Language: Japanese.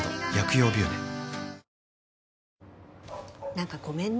何かごめんね。